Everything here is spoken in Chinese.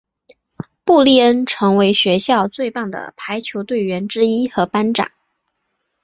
布丽恩成为学校最棒的排球队员之一和班长。